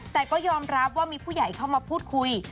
แต่ก็ยอมรับว่ามีผู้ใหญ่เข้ามาพูดคุย